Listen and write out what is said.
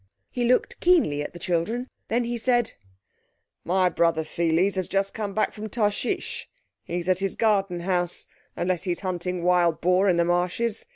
He looked keenly at the children. Then he said— "My brother Pheles has just come back from Tarshish. He's at his garden house—unless he's hunting wild boar in the marshes.